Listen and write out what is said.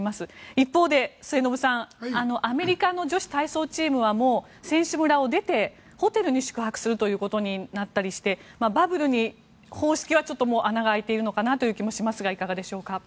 一方で、末延さんアメリカの女子体操チームはもう選手村を出てホテルに宿泊するということになったりしてバブル方式は穴が開いているのかなという気もしますがいかがでしょうか。